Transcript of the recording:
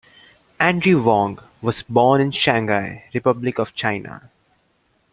Andrew Wong was born in Shanghai, Republic of China.